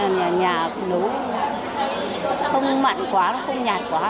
nhà nấu không mặn quá không nhạt quá